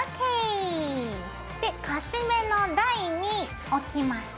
でカシメの台に置きます。